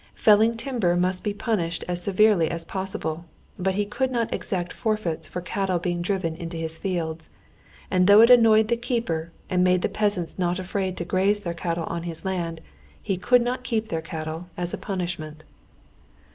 Felling timber must be punished as severely as possible, but he could not exact forfeits for cattle being driven onto his fields; and though it annoyed the keeper and made the peasants not afraid to graze their cattle on his land, he could not keep their cattle as a punishment.